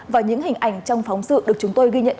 và những hình ảnh trong phóng sự được chúng tôi ghi nhận